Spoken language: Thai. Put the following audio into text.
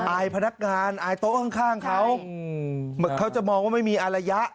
อายพนักงานอายโต๊ะข้างเขาเหมือนเขาจะมองว่าไม่มีอารยะ